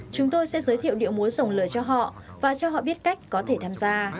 chúng tôi sẽ giới thiệu điệu múa dòng lửa cho họ và cho họ biết cách có thể tham gia